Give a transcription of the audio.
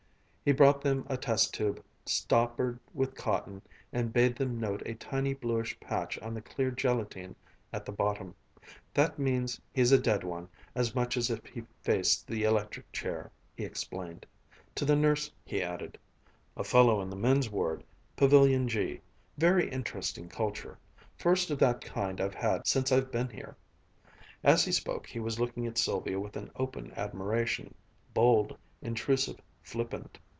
He brought them a test tube, stoppered with cotton, and bade them note a tiny bluish patch on the clear gelatine at the bottom. "That means he's a dead one, as much as if he faced the electric chair," he explained. To the nurse he added, "A fellow in the men's ward, Pavilion G. Very interesting culture ... first of that kind I've had since I've been here." As he spoke he was looking at Sylvia with an open admiration, bold, intrusive, flippant.